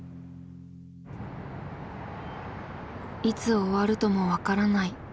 いつ終わるとも分からない